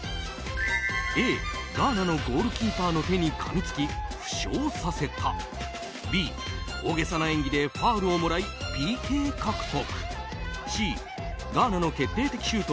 Ａ、ガーナのゴールキーパーの手にかみつき負傷させたＢ、大げさな演技でファウルをもらいＰＫ獲得